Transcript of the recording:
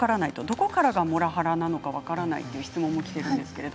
どこからがモラハラなのか分からないという質問もきています。